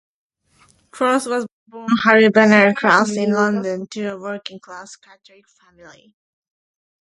Cross was born Harry Bernard Cross in London to a working class Catholic family.